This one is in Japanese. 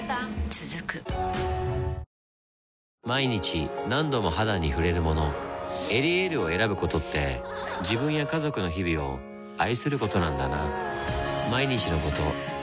続く毎日何度も肌に触れるもの「エリエール」を選ぶことって自分や家族の日々を愛することなんだなぁ